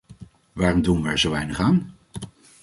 Waarom doen we er zo weinig aan?